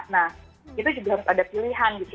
nah kita juga harus ada pilihan gitu